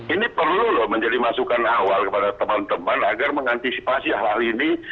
ini perlu loh menjadi masukan awal kepada teman teman agar mengantisipasi hal hal ini